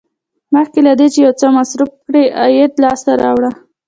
مخکې له دې چې یو څه مصرف کړئ عاید لاسته راوړه.